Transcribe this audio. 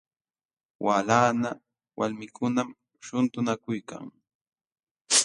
Walanqa walmikunam shuntunakuykan.